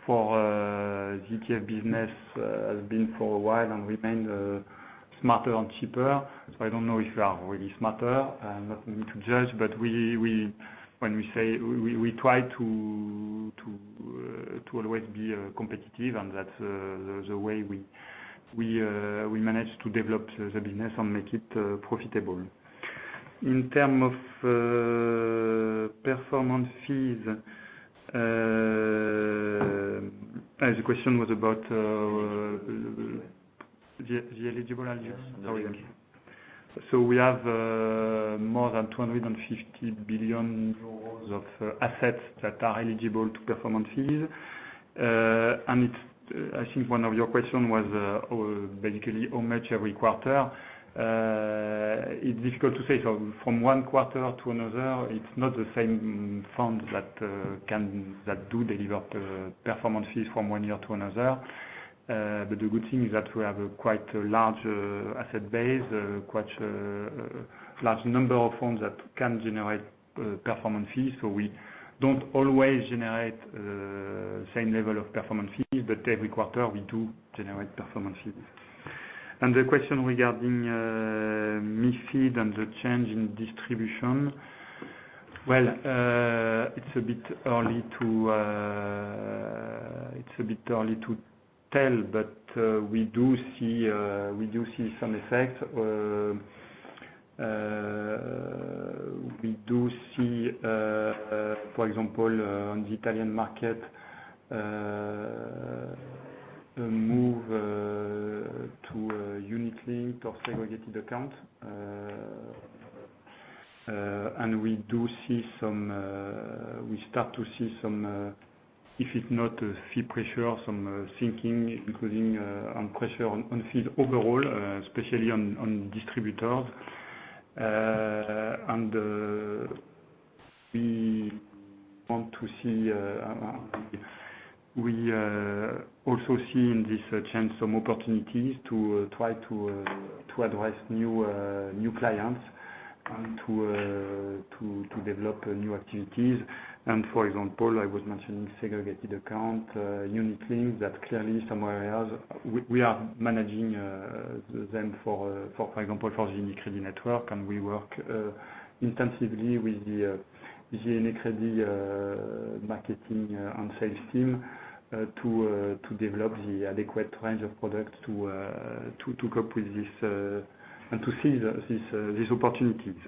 for ETF business has been for a while, and remain smarter and cheaper. I don't know if we are really smarter. Not me to judge, but when we say we try to always be competitive, and that's the way we manage to develop the business and make it profitable. In terms of performance fees, the question was about the eligible AUM? Yes. Sorry. We have more than 250 billion euros of assets that are eligible to performance fees. I think one of your questions was basically how much every quarter. It's difficult to say. From one quarter to another, it's not the same fund that do deliver the performance fees from one year to another. The good thing is that we have quite a large asset base, quite a large number of funds that can generate performance fees. We don't always generate the same level of performance fees, but every quarter we do generate performance fees. The question regarding MiFID and the change in distribution. Well, it's a bit early to tell, but we do see some effect. We do see, for example, on the Italian market, a move to Unit-Linked or segregated account. We start to see some, if it's not fee pressure, some thinking, including on pressure on fee overall, especially on distributors. We also see in this change some opportunities to try to address new clients and to develop new activities. For example, I was mentioning segregated account, Unit-Linked, that clearly some areas we are managing them, for example, for the UniCredit network, and we work intensively with the UniCredit marketing and sales team to develop the adequate range of products to cope with this and to seize these opportunities.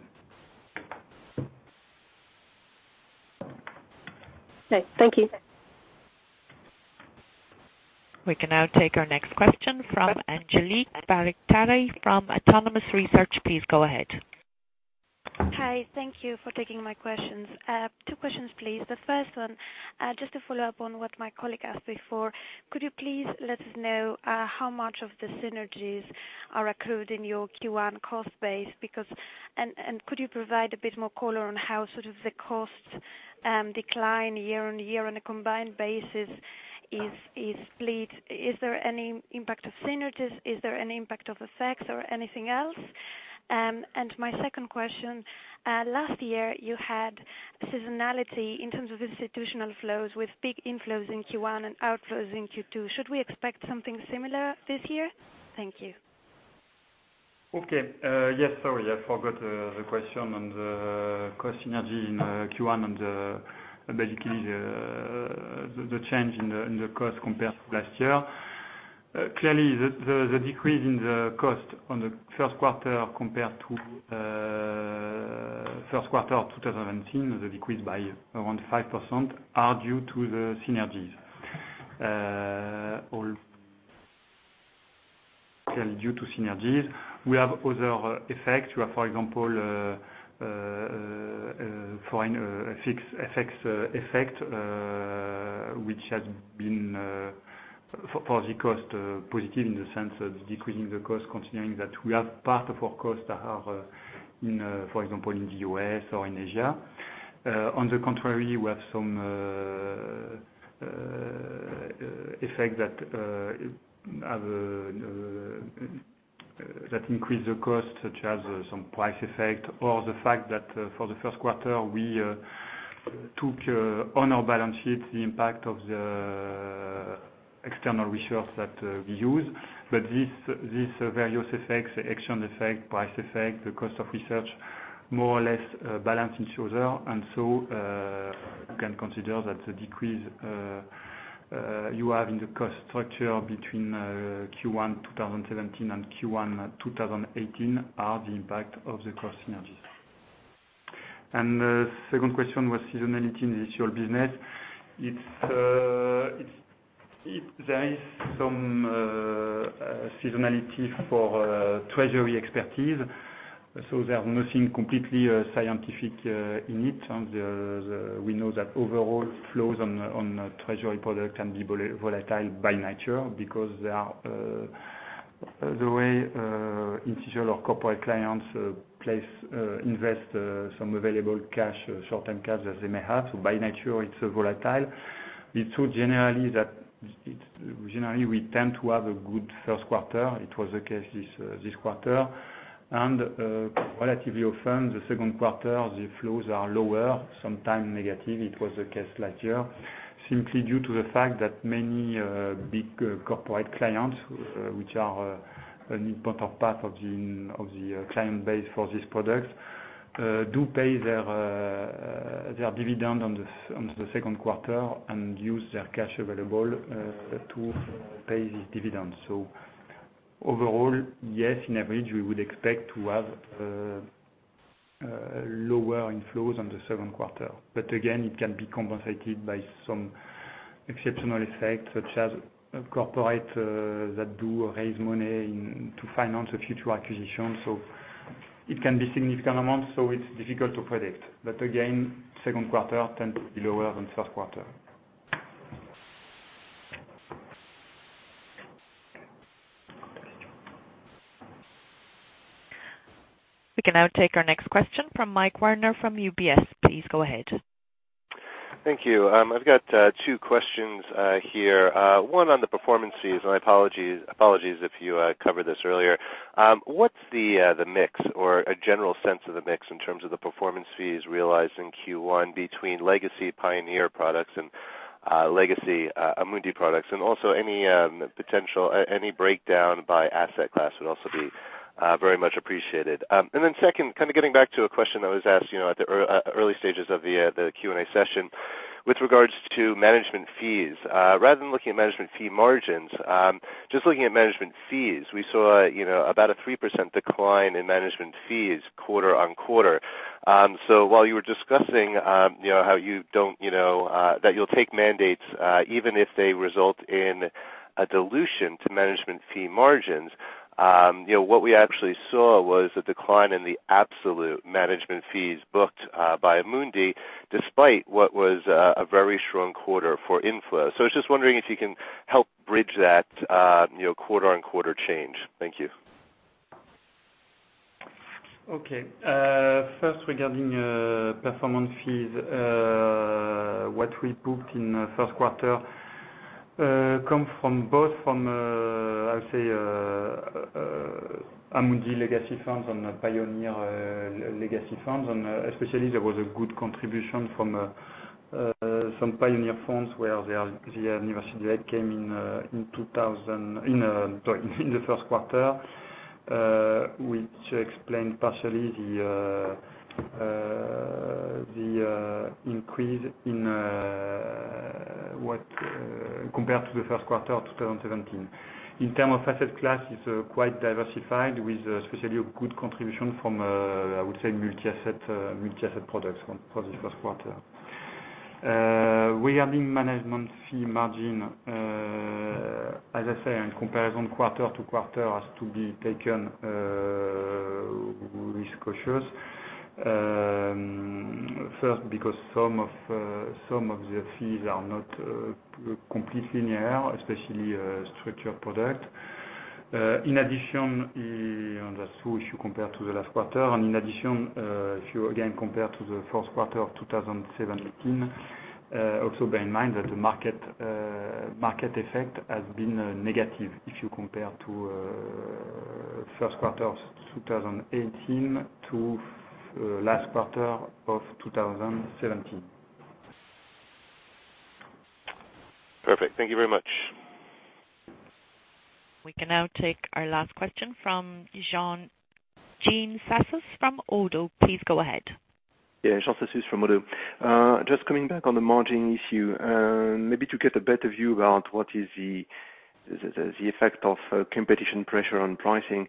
Right. Thank you. We can now take our next question from Angeliki Bairaktari from Autonomous Research. Please go ahead. Hi. Thank you for taking my questions. Two questions, please. The first one, just to follow up on what my colleague asked before, could you please let us know how much of the synergies are accrued in your Q1 cost base? Could you provide a bit more color on how sort of the cost decline year-on-year on a combined basis is split? Is there any impact of synergies? Is there any impact of effects or anything else? My second question, last year you had seasonality in terms of institutional flows with big inflows in Q1 and outflows in Q2. Should we expect something similar this year? Thank you. Okay. Yes. Sorry, I forgot the question on the cost synergy in Q1 and basically the change in the cost compared to last year. Clearly, the decrease in the cost on the first quarter compared to first quarter of 2017, the decrease by around 5%, are due to the synergies. All clearly due to synergies. We have other effects. We have, for example, foreign effects, which has been, for the cost, positive in the sense of decreasing the cost, considering that we have part of our costs that are, for example, in the U.S. or in Asia. On the contrary, we have some effect that increase the cost, such as some price effect or the fact that for the first quarter we took on our balance sheet the impact of the external research that we use. These various effects, the exchange effect, price effect, the cost of research, more or less balance each other. You can consider that the decrease you have in the cost structure between Q1 2017 and Q1 2018 are the impact of the cost synergies. The second question was seasonality in the institutional business. There is some seasonality for treasury expertise, so there are nothing completely scientific in it. We know that overall flows on a treasury product can be volatile by nature because they are the way institutional or corporate clients invest some available short-term cash as they may have. So by nature, it's volatile. It's generally we tend to have a good first quarter. It was the case this quarter. Relatively often the second quarter, the flows are lower, sometimes negative. It was the case last year, simply due to the fact that many big corporate clients, which are an important part of the client base for this product, do pay their dividend on the second quarter and use their cash available to pay these dividends. Overall, yes, in average, we would expect to have lower inflows on the second quarter. Again, it can be compensated by some exceptional effects, such as corporate that do raise money to finance a future acquisition, it can be significant amounts, it's difficult to predict. Again, second quarter tends to be lower than first quarter. We can now take our next question from Michael Werner from UBS. Please go ahead. Thank you. I've got two questions here. One on the performance fees, apologies if you covered this earlier. What's the mix or a general sense of the mix in terms of the performance fees realized in Q1 between legacy Pioneer products and Legacy Amundi products and also any breakdown by asset class would also be very much appreciated. Second, getting back to a question that was asked at the early stages of the Q&A session with regards to management fees. Rather than looking at management fee margins, just looking at management fees, we saw about a 3% decline in management fees quarter-on-quarter. While you were discussing that you'll take mandates even if they result in a dilution to management fee margins. What we actually saw was the decline in the absolute management fees booked by Amundi, despite what was a very strong quarter for inflows. I was just wondering if you can help bridge that quarter-on-quarter change. Thank you. Okay. First, regarding performance fees, what we booked in first quarter comes from both from, I would say, Amundi legacy firms and Pioneer legacy firms, and especially there was a good contribution from some Pioneer firms where the anniversary date came in the first quarter, which explained partially the increase compared to the first quarter of 2017. In term of asset class, it is quite diversified with especially a good contribution from, I would say, multi-asset products for the first quarter. Regarding management fee margin, as I said, in comparison quarter-to-quarter has to be taken with cautious. First, because some of the fees are not completely clear, especially structured product. That is two issue compared to the last quarter. In addition, if you again compare to the fourth quarter of 2017, also bear in mind that the market effect has been negative if you compare first quarter 2018 to last quarter of 2017. Perfect. Thank you very much. We can now take our last question from Jean Sassus from Oddo. Please go ahead. Jean Sassus from Oddo. Just coming back on the margin issue. Maybe to get a better view about what is the effect of competition pressure on pricing,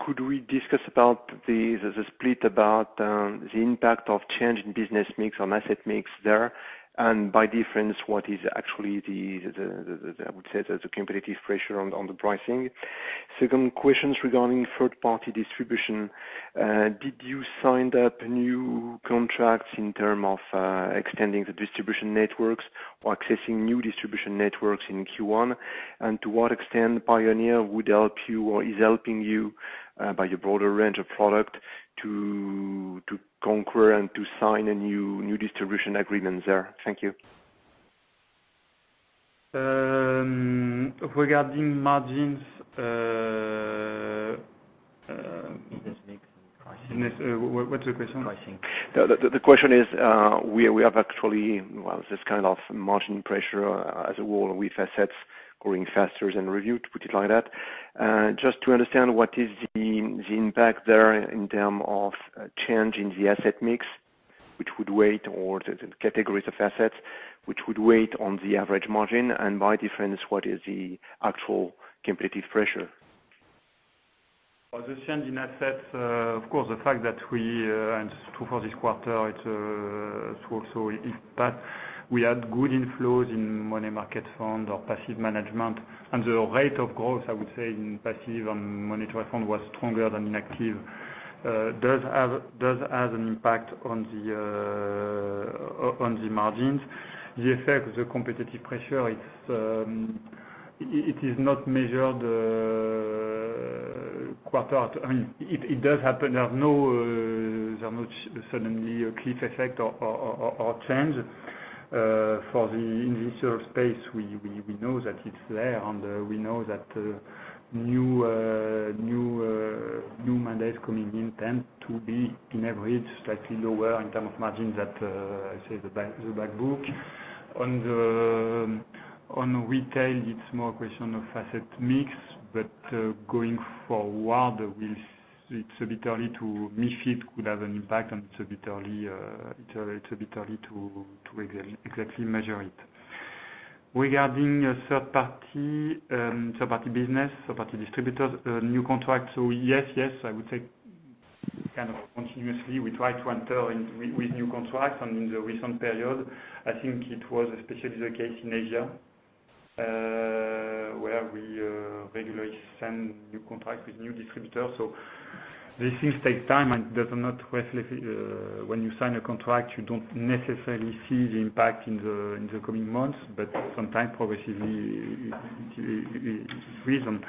could we discuss about the split about the impact of change in business mix on asset mix there, by difference, what is actually the, I would say, the competitive pressure on the pricing. Second question regarding third-party distribution. Did you sign up new contracts in terms of extending the distribution networks or accessing new distribution networks in Q1? To what extent Pioneer would help you or is helping you, by your broader range of products, to conquer and to sign a new distribution agreement there? Thank you. Regarding margins. What's the question? Pricing. The question is, we have actually, well, this kind of margin pressure as a whole with assets growing faster than revenue, to put it like that. To understand what is the impact there in terms of change in the asset mix, which would weigh, or the categories of assets, which would weigh on the average margin, by difference, what is the actual competitive pressure? The change in assets, of course, the fact that we, it's true for this quarter, it's true also in that we had good inflows in money market fund or passive management, the rate of growth, I would say, in passive and money market fund was stronger than in active management, does have an impact on the margins. The effect of the competitive pressure, it is not measured quarter. It does happen. There is not suddenly a cliff effect or change for the initial space. We know that it's there, we know that new mandates coming in tend to be, on average, slightly lower in terms of margins that, I would say, the back book. On retail, it's more a question of asset mix, going forward, it's a bit early to assess it could have an impact it's a bit early to exactly measure it. Regarding third-party business, third-party distributors, new contract. Yes, I would say kind of continuously we try to enter in with new contracts, and in the recent period, I think it was especially the case in Asia, where we regularly sign new contract with new distributors. These things take time and when you sign a contract, you don't necessarily see the impact in the coming months. Sometime, progressively, it's the reason.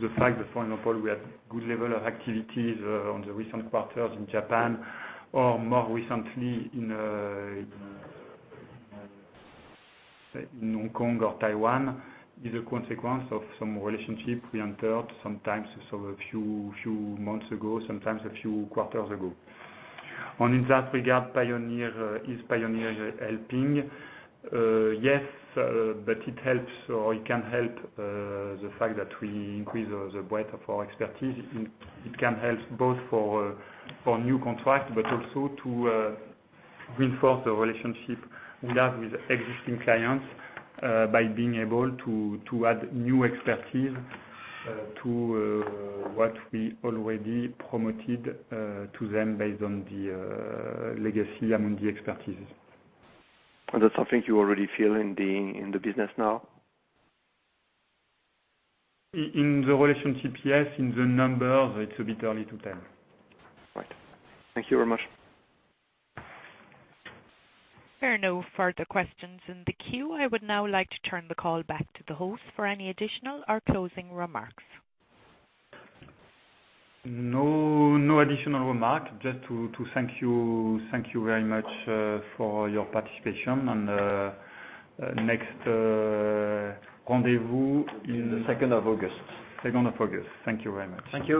The fact that, for example, we had good level of activities on the recent quarters in Japan or more recently in Hong Kong or Taiwan, is a consequence of some relationship we entered sometimes a few months ago, sometimes a few quarters ago. In that regard, is Pioneer helping? Yes, but it helps, or it can help, the fact that we increase the breadth of our expertise. It can help both for new contract, but also to reinforce the relationship we have with existing clients, by being able to add new expertise to what we already promoted to them based on the legacy Amundi expertises. That's something you already feel in the business now? In the relationship, yes. In the numbers, it's a bit early to tell. Right. Thank you very much. There are no further questions in the queue. I would now like to turn the call back to the host for any additional or closing remarks. No additional remark, just to thank you very much for your participation, and next rendezvous in the 2nd of August. Thank you very much. Thank you.